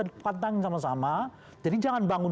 kita pantang sama sama jadi jangan bangun